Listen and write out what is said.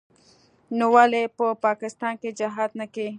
نو ولې په پاکستان کښې جهاد نه کيي.